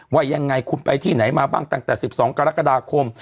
ว่ายังไงคุณไปที่ไหนมาบ้างตั้งแต่๑๒กรกฎาคม